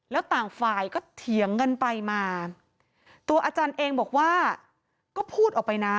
แล้วต่างฝ่ายก็เถียงกันไปมาตัวอาจารย์เองบอกว่าก็พูดออกไปนะ